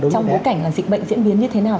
trong bối cảnh là dịch bệnh diễn biến như thế nào